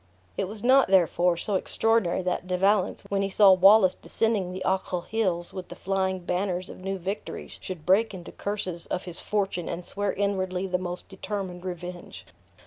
It was not, therefore, so extraordinary that De Valence, when he saw Wallace descending the Ochil hills with the flying banners of new victories, should break into curses of his fortune, and swear inwardly the most determined revenge.